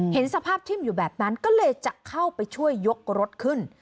เห็นสภาพทิ่มอยู่แบบนั้นก็เลยจะเข้าไปช่วยยกรถขึ้น